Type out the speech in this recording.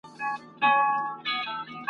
ډکي پیمانې مي تشولې اوس یې نه لرم ..